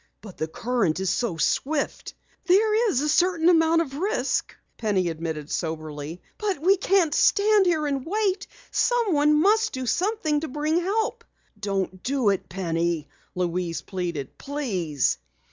"But the current is so swift." "There's a certain amount of risk," Penny admitted soberly. "But we can't stand here and wait. Someone must do something to bring help." "Don't do it, Penny!" Louise pleaded. "Please!"